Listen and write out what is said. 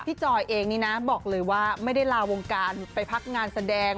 จอยเองนี่นะบอกเลยว่าไม่ได้ลาวงการไปพักงานแสดง